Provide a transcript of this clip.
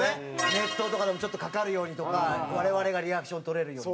熱湯とかでもちょっとかかるようにとか我々がリアクションとれるように。